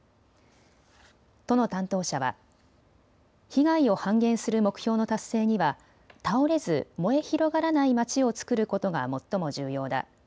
都の担当者は、被害を半減する目標の達成には倒れず燃え広がらない町をつくることが最も重要だ。